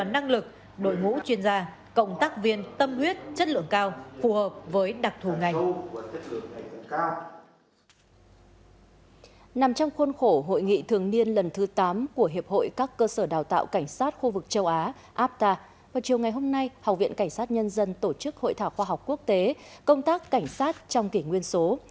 nằm trong khuôn khổ hội nghị thường niên lần thứ tám của hiệp hội các cơ sở đào tạo cảnh sát khu vực châu á apta vào chiều ngày hôm nay học viện cảnh sát nhân dân tổ chức hội thảo khoa học quốc tế công tác cảnh sát trong kỷ nguyên số